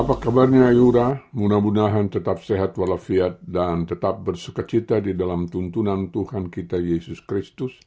apa kabarnya yura mudah mudahan tetap sehat walafiat dan tetap bersuka cita di dalam tuntunan tuhan kita yesus kristus